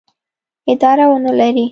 اداره ونه لري.